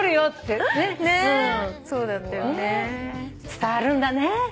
伝わるんだね。